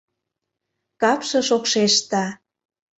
Капше шокшеште.